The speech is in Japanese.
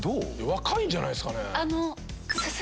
若いんじゃないっすかね。